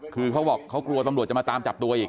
คือเขาบอกเขากลัวตำรวจจะมาตามจับตัวอีก